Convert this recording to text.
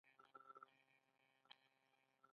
آیا دوی له ګاونډیانو سره اړیکې نه ساتي؟